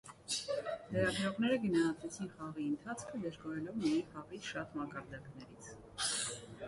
Լրագրողները գնահատեցին խաղի ընթացքը, դժգոհելով միայն խաղի շատ մակարդակներից։